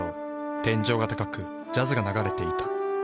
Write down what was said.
天井が高くジャズが流れていた。